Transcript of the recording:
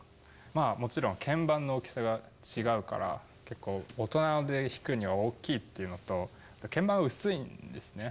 まあもちろん鍵盤の大きさが違うから結構大人で弾くには大きいっていうのと鍵盤が薄いんですね。